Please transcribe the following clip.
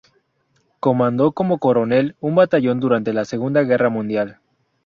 Comandó, como coronel, un batallón durante la Segunda Guerra Mundial.